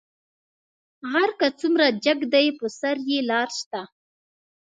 غر کۀ څومره جګ دى، پۀ سر يې لار شته.